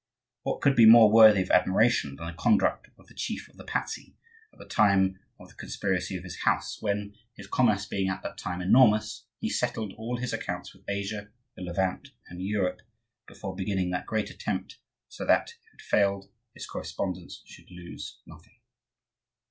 What could be more worthy of admiration than the conduct of the chief of the Pazzi at the time of the conspiracy of his house, when, his commerce being at that time enormous, he settled all his accounts with Asia, the Levant, and Europe before beginning that great attempt; so that, if it failed, his correspondents should lose nothing.